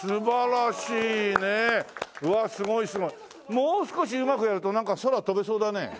もう少しうまくやるとなんか空飛べそうだね？